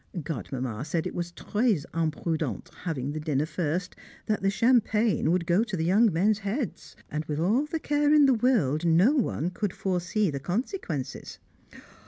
Godmamma said it was "très imprudent" having the dinner first, that the champagne would go to the young men's heads, and with all the care in the world no one could foresee the consequences!